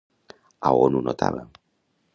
A on ho notava?